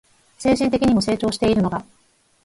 精神的にも成長しているのが